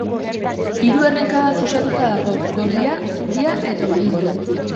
Hiru errenkadaz osatuta dago: gorria, zuria eta urdina.